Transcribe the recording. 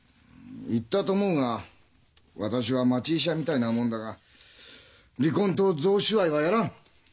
言ったと思うが私は町医者みたいなもんだが離婚と贈収賄はやらん！